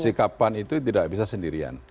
sikapan itu tidak bisa sendirian